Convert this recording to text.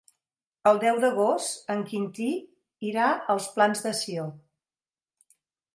El deu d'agost en Quintí irà als Plans de Sió.